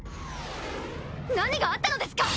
何があったのですか